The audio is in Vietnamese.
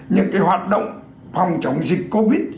những cái hoạt động phòng chống dịch covid